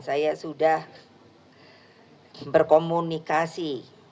saya sudah berkomunikasi